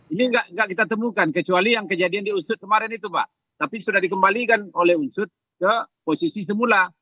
ini nggak kita temukan kecuali yang kejadian diusut kemarin itu pak tapi sudah dikembalikan oleh usut ke posisi semula